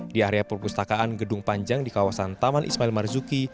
di area perpustakaan gedung panjang di kawasan taman ismail marzuki